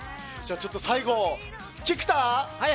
最後、菊田。